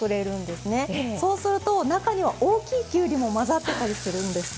そうすると中には大きいきゅうりもまざってたりするんです。